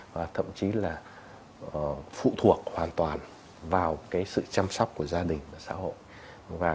và thậm chí là phụ thuộc hoàn toàn vào sự chăm sóc của gia đình và xã hội